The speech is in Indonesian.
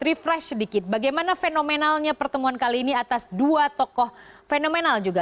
refresh sedikit bagaimana fenomenalnya pertemuan kali ini atas dua tokoh fenomenal juga